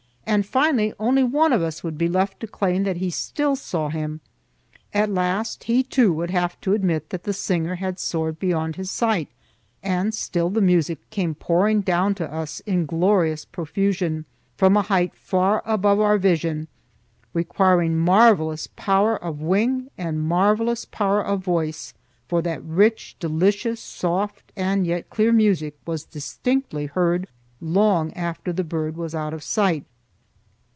And finally only one of us would be left to claim that he still saw him. At last he, too, would have to admit that the singer had soared beyond his sight, and still the music came pouring down to us in glorious profusion, from a height far above our vision, requiring marvelous power of wing and marvelous power of voice, for that rich, delicious, soft, and yet clear music was distinctly heard long after the bird was out of sight.